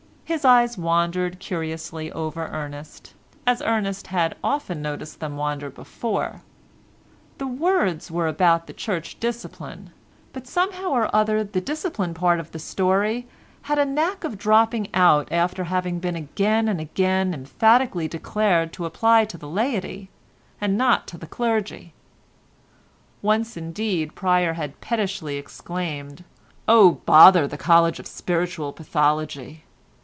His eyes wandered curiously over Ernest, as Ernest had often noticed them wander before: the words were about Church discipline, but somehow or other the discipline part of the story had a knack of dropping out after having been again and again emphatically declared to apply to the laity and not to the clergy: once indeed Pryer had pettishly exclaimed: "Oh, bother the College of Spiritual Pathology."